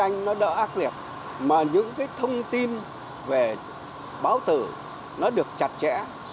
những thông tin về báo tử nó được chặt chẽ